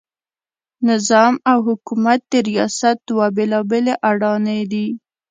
نظام او حکومت د ریاست دوه بېلابېلې اډانې دي.